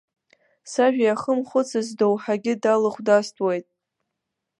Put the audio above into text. Сажәа иахымхәыцыз, сдоуҳагьы далыхәдастәуеит.